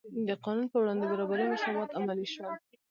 د قانون په وړاندې برابري او مساوات عملي شول.